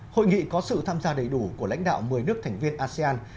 hội nghị có sự tham gia đầy đủ của lãnh đạo một mươi nước thành viên asean